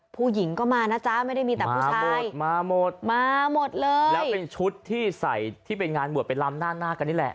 ผู้หญิงก็มานะจ๊ะไม่ได้มีแต่ผู้ชายหมดมาหมดมาหมดเลยแล้วเป็นชุดที่ใส่ที่เป็นงานบวชไปลำหน้าหน้ากันนี่แหละ